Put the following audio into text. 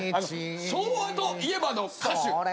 昭和といえばの歌手。